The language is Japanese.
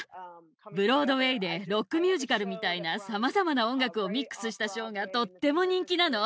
ブロードウェイでロックミュージカルみたいなさまざまな音楽をミックスしたショーがとっても人気なの。